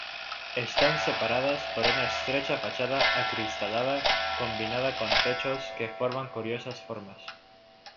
Están separadas por una estrecha fachada acristalada combinada con techos que forman curiosas formas.